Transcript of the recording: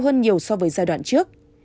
hơn nhiều so với giai đoạn trước